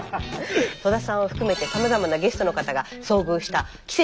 戸田さんを含めてさまざまなゲストの方が遭遇した奇跡。